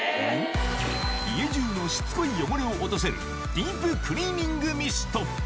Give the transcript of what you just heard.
家中のしつこい汚れを落とせる、ディープクリーニングミスト。